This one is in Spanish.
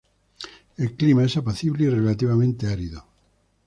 El clima es apacible y relativamente árido.